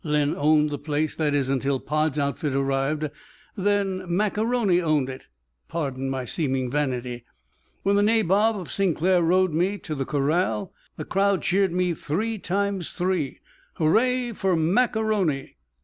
Len owned the place, that is, until Pod's outfit arrived, then Mac A'Rony owned it. Pardon my seeming vanity. When the nabob of Sinclair rode me to the corral, the crowd cheered me three times three, "Hooray fer Mac A'Rony!"